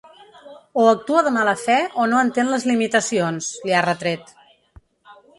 O actua de mala fe o no entén les limitacions, li ha retret.